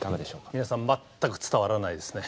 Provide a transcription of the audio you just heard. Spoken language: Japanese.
皆さん全く伝わらないですね。